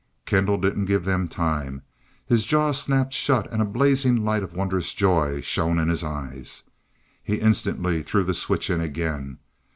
Kendall didn't give them time. His jaw snapped shut, and a blazing light of wondrous joy shone in his eyes. He instantly threw the switch in again.